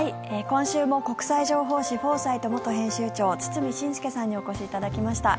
今週も国際情報誌「フォーサイト」元編集長堤伸輔さんにお越しいただきました。